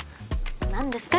何ですか？